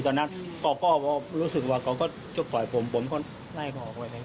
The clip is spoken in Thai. ตอนนั้นเขาก็รู้สึกว่าเขาก็ชกต่อยผมผมก็ไล่เขาออกไปเลย